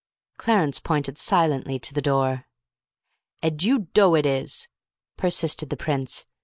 Clarence pointed silently to the door. "And you doe id is," persisted the Prince.